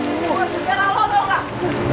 buat biar allah tolong pak